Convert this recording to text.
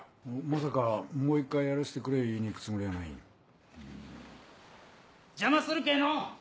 まさかもう一回やらせてくれ言いに行くつもりやないん？・邪魔するけぇの！